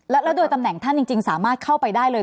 แล้วโดยตำแหน่งท่านจริงสามารถเข้าไปได้เลย